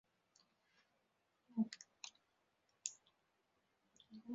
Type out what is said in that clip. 沃尔纳特科纳是位于美国阿肯色州菲利普斯县的一个非建制地区。